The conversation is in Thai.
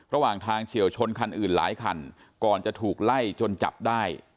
ระหว่างทางเฉียวชนคันอื่นหลายคันก่อนจะถูกไล่จนจับได้